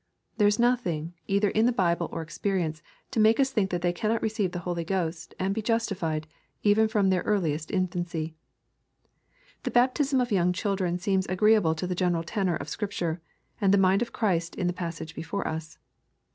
There is nothing, either in the Bible or experience, to make us think that they cannot receive the Holy Ghost, and be justified, even from their earliest mfancy. — The baptism of young children seems agreeable to the general tenor of Scripture, and the mind of Christ in the passage before us.